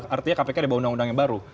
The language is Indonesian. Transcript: artinya kpk dibawa undang undang yang baru